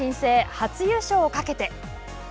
初優勝をかけて。